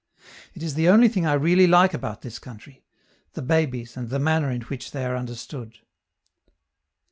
It is the only thing I really like about this country: the babies and the manner in which they are understood.